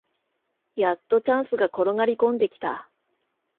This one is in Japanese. やっとチャンスが転がりこんできた